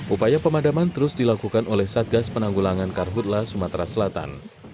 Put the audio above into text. upaya pemadaman terus dilakukan oleh satgas penanggulangan karhutla sumatera selatan